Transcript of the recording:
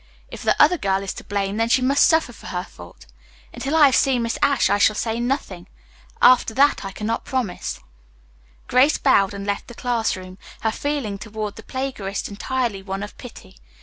"If the other girl is to blame, then she must suffer for her fault. Until I have seen Miss Ashe I shall say nothing. After that I can not promise." Grace bowed and left the class room, her feeling toward the unknown plagiarist entirely one of pity.